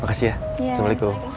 makasih ya assalamualaikum